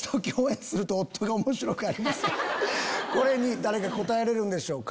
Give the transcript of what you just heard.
これに誰か答えれるんでしょうか。